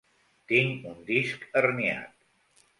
Tinc un disc herniat.